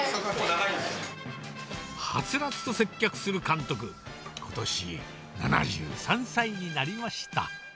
はつらつと接客する監督、ことし７３歳になりました。